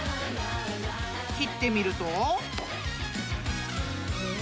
［切ってみると］え？